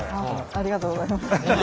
ありがとうございます。